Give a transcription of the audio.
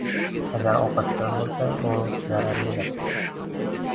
Agar ovqat shirin bo‘lsa, u zararlidir.